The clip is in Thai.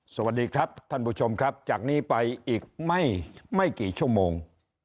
สวัสดีครับท่านผู้ชมครับจากนี้ไปอีกไม่กี่ชั่วโมง